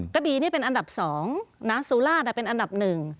กระบีนี่เป็นอันดับ๒นะสุราชเป็นอันดับหนึ่ง